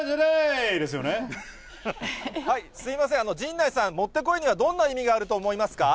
すみません、陣内さん、モッテコイにはどんな意味があると思いますか？